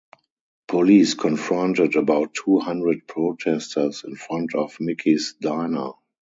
Police confronted about two hundred protesters in front of Mickey's Diner.